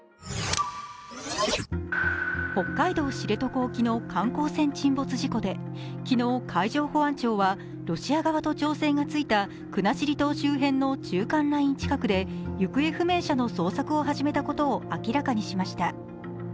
北海道・知床沖の観光船沈没事故で昨日、海上保安庁はロシア側と調整がついた国後島周辺の中間ライン近くで行方不明者の捜索を始めたことを明らかにしました。